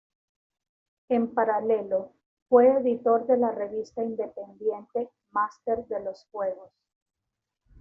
En paralelo, fue editor de la revista independiente "Master de los Juegos".